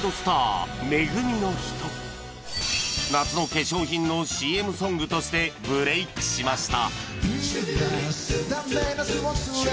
夏の化粧品の ＣＭ ソングとしてブレイクしました